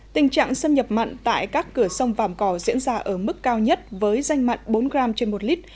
tình trạng sơn nhậm mặn tại các cửa sông vàm cò diễn ra ở mức cao nhất với danh mặn bốn g trên một lít